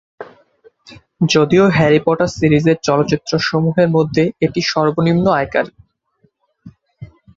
যদিও Harry Potter সিরিজের চলচ্চিত্রসমূহের মধ্যে এটি সর্বনিম্ন আয়কারী।